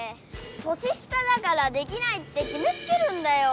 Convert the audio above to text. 年下だからできないってきめつけるんだよ。